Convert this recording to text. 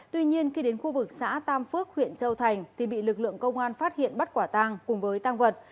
tuy nhiên khi đến khu vực xã tam phước huyện châu thành thì bị lực lượng công an phát hiện bắt quả tang cùng với tăng vật